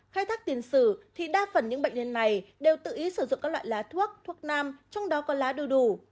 khai thác tiền sử thì đa phần những bệnh nhân này đều tự ý sử dụng các loại lá thuốc nam trong đó có lá đầy đủ